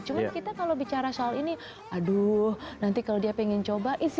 cuma kita kalau bicara soal ini aduh nanti kalau dia ingin coba